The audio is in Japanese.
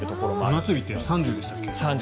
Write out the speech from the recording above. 真夏日って３０度でしたっけ。